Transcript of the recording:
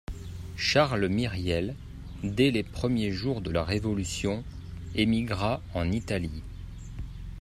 Charles Myriel, dès les premiers jours de la révolution, émigra en Italie